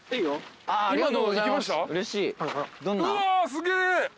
すげえ。